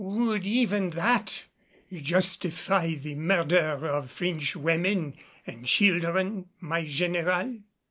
"Would even that justify the murder of French women and children, my General?"